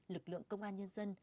lực lượng công an nhân dân